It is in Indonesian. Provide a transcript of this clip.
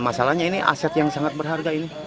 masalahnya ini aset yang sangat berharga ini